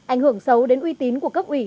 ảnh hưởng xấu đến uy tín của cấp ủy